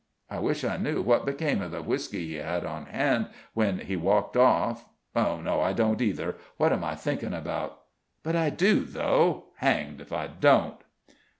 I wish I knew what became of the whiskey he had on hand when he walked off no, I don't either; what am I thinking about? But I do, though hanged if I don't!"